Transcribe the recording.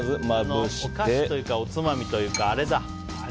お菓子というかおつまみというか、あれだ。